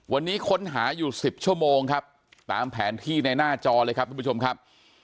วันนี้ค้นหาอยู่๑๐ชั่วโมงครับตามแผนที่ในหน้าจอเลยครับทุกผู้ชมครับ